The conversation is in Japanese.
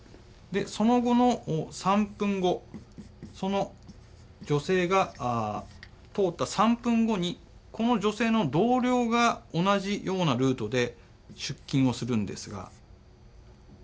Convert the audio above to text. その後の３分後その女性が通った３分後にこの女性の同僚が同じようなルートで出勤をするんですが。